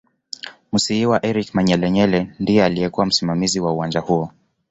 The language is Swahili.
Musiiwa Eric Manyelenyele ndiye aliyekuw msimamizi wa uwanja huo